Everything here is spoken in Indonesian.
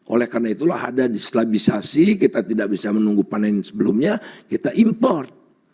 oleh karena itulah ada dislabisasi kita tidak bisa menunggu panen sebelumnya kita import